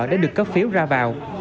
để được cấp phiếu ra vào